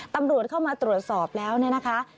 ตำรวจเข้ามาตรวจสอบแล้วเนี่ยนะคะ